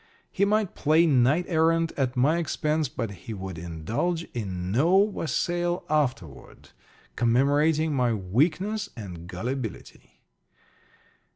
He might play knight errant at my expense, but he would indulge in no wassail afterward, commemorating my weakness and gullibility.